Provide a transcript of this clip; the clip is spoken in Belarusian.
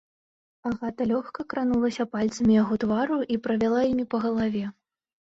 Агата лёгка кранулася пальцамі яго твару і правяла імі па галаве.